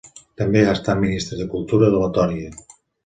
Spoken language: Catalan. També ha estat ministre de cultura de Letònia.